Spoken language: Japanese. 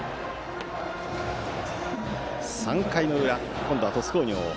３回の裏、今度は鳥栖工業。